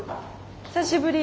久しぶり。